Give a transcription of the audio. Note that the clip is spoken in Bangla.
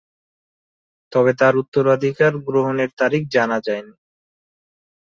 তবে তাঁর উত্তরাধিকার গ্রহণের তারিখ জানা যায়নি।